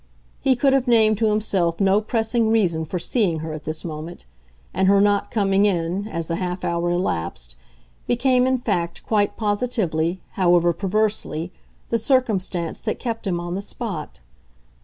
He could have named to himself no pressing reason for seeing her at this moment, and her not coming in, as the half hour elapsed, became in fact quite positively, however perversely, the circumstance that kept him on the spot.